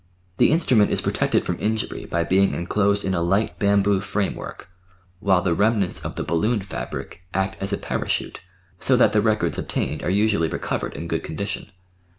The instrument is protected from injury hy being enclosed in a light bamboo frame work, while the remnants of the balloon fabric act as a para chute, so that the records obtained are usually recovered in good condition.